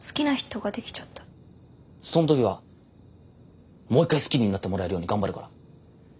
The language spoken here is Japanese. その時はもう一回好きになってもらえるように頑張るから。